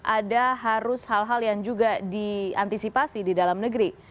ada harus hal hal yang juga diantisipasi di dalam negeri